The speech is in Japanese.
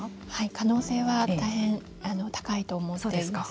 可能性は大変高いと思っています。